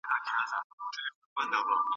پلار باید هدفونه روښانه نه کړي نه، بلکي کړي.